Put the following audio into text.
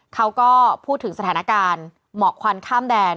เขาก็พูดถึงสถานการณ์หมอกควันข้ามแดน